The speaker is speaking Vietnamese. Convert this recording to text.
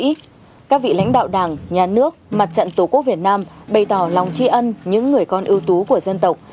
các đồng chí các vị lãnh đạo đảng nhà nước mặt trận tổ quốc việt nam bày tỏ lòng tri ân những người con ưu tú của dân tộc